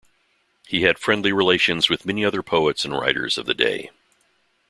He had friendly relations with many other poets and writers of the day.